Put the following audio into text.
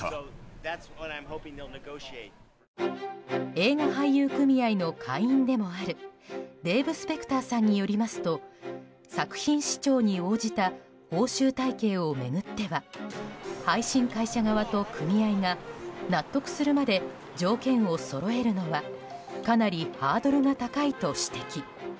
映画俳優組合の会員でもあるデーブ・スペクターさんによりますと作品視聴に応じた報酬体系を巡っては配信会社側と組合が納得するまで条件をそろえるのはかなりハードルが高いと指摘。